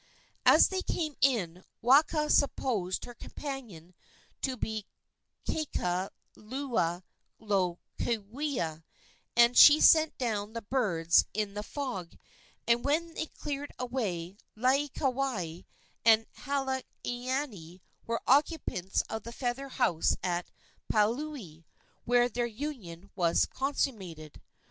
As they came in, Waka supposed her companion to be Kekalukaluokewa, and she sent down the birds in the fog; and when it cleared away Laieikawai and Halaaniani were occupants of the feather house at Paliuli, where their union was consummated.